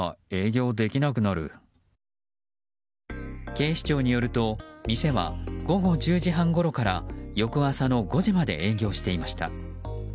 警視庁によると店は午後１０時半ごろから翌朝の５時まで営業していました。